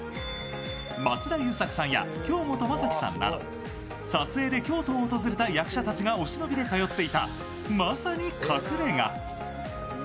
松田優作さんや京本政樹さんなど撮影で京都を訪れた役者たちがお忍びで通っていたまさに隠れ家。